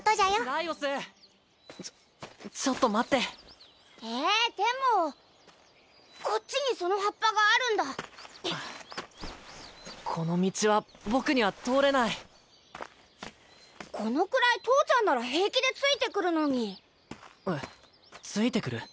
ライオスちょちょっと待ってえでもこっちにその葉っぱがあるんだこの道は僕には通れないこのくらい父ちゃんなら平気でついてくるのにえっついてくる？